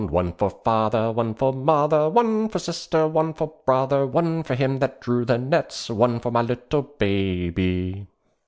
One for Father, One for Mother, One for Sister, One for Brother, One for him that drew the nets, One for my little Baby.